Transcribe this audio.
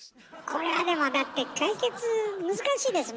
これはでもだって難しいですね。